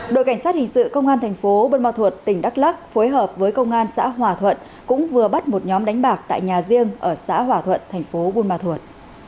đội cảnh sát hình sự công an thành phố bơn ma thuột tỉnh đắk lắc phối hợp với công an xã hòa thuận cũng vừa bắt một nhóm đánh bạc tại nhà riêng ở xã hòa thuận thành phố buôn ma thuột